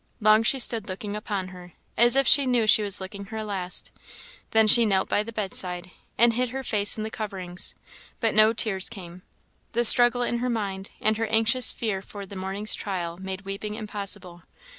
Long she stood looking upon her, as if she knew she was looking her last; then she knelt by the bedside, and hid her face in the coverings but no tears came; the struggle in her mind, and her anxious fear for the morning's trial, made weeping impossible.